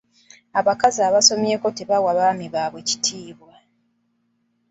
Abakazi abasomyeko tebawa baami baabwe bitiibwa.